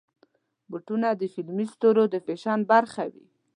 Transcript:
بوټونه د فلمي ستورو د فیشن برخه وي.